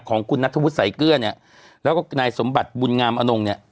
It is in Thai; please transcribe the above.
ของคุณนัทธวุฒิสายเกลือเนี่ยแล้วก็นายสมบัติบุญงามอนงเนี่ย